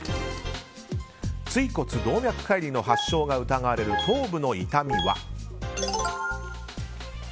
椎骨動脈解離の発症が疑われる頭部の痛みは。